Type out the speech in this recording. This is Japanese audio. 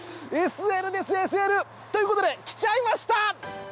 ＳＬですＳＬ！ということで来ちゃいました！